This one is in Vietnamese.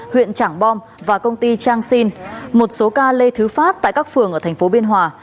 huyện trảng bom và công ty trang sinh một số ca lê thứ phát tại các phường ở thành phố biên hòa